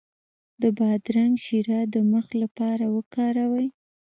د بادرنګ شیره د مخ لپاره وکاروئ